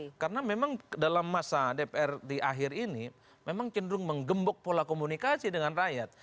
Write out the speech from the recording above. ya karena memang dalam masa dpr di akhir ini memang cenderung menggembok pola komunikasi dengan rakyat